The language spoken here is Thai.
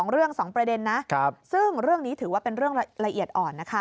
เรื่อง๒ประเด็นนะซึ่งเรื่องนี้ถือว่าเป็นเรื่องละเอียดอ่อนนะคะ